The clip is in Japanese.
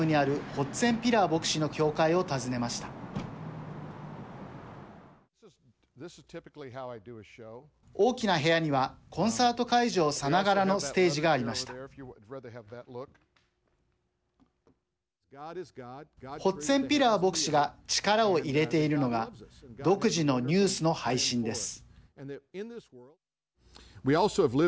ホッツェンピラー牧師が力を入れているのが独自のニュースの配信です。